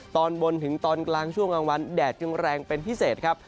ตอนบนถึงตอนกลางช่วงกลางวันแดดจึงแรงเป็นพิเศษครับ